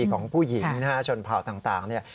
ของผู้หญิงนะฮะชนเผ่าต่างเนี่ย